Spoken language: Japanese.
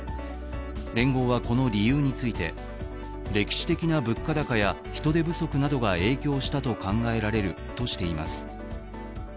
連合はこの理由について、歴史的な物価高や人手不足などが影響したと考えられるとしています。